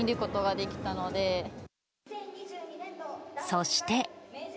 そして。